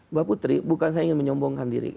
mbak putri bukan saya ingin menyombongkan diri